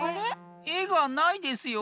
えがないですよ。